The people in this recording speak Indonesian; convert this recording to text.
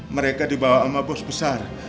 mereka dibawa sama bos besar